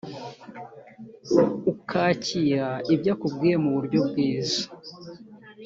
ukakira ibyo akubwiye mu buryo bwiza